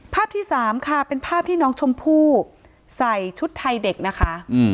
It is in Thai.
ภาพที่สามค่ะเป็นภาพที่น้องชมพู่ใส่ชุดไทยเด็กนะคะ